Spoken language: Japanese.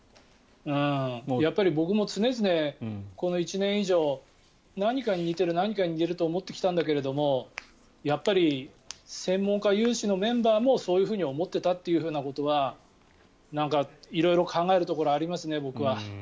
やっぱり僕も常々、この１年以上何かに似ている何かに似ているって思ってきたんだけどやっぱり専門家有志のメンバーもそういうふうに思っていたということはなんか、色々考えるところがありますね、僕は。